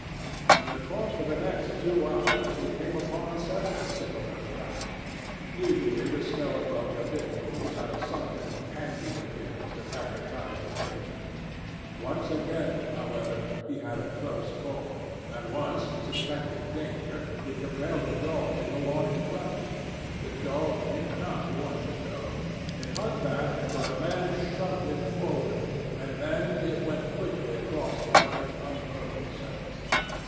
In the course of the next two hours he came upon several similar traps. Usually the snow above the hidden pools had a sunken, candied appearance that advertised the danger. Once again, however, he had a close call; and once, suspecting danger, he compelled the dog to go on in front. The dog did not want to go. It hung back until the man shoved it forward, and then it went quickly across the white, unbroken surface.